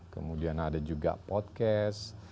kemudian ada juga podcast